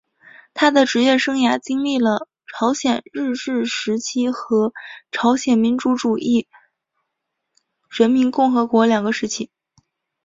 他的职业生涯历经了朝鲜日治时期和朝鲜民主主义人民共和国两个时期。